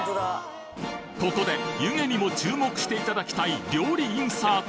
ここで湯気にも注目していただきたい料理インサート